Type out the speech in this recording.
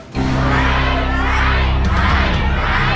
ใช้